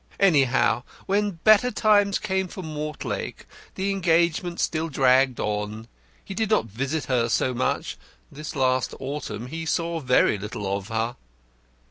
Anyhow, when better times came for Mortlake the engagement still dragged on. He did not visit her so much. This last autumn he saw very little of her."